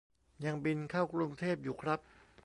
ยังบินเข้ากรุงเทพอยู่ครับ